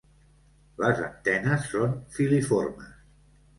Les antenes són filiformes.